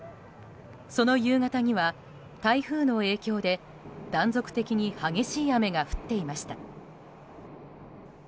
その夕方には台風の影響で断続的に激しい雨が降っていました。